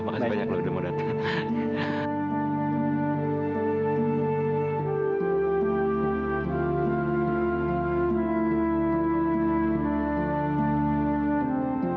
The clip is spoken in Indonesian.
makasih banyak pak udah mau datang